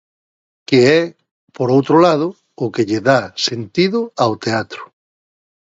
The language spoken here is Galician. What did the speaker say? Que é, por outro lado, o que lle dá sentido ao teatro.